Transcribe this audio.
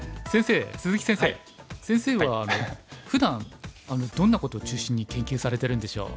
先生はふだんどんなことを中心に研究されてるんでしょう？